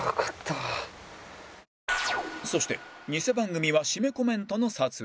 そしてニセ番組はシメコメントの撮影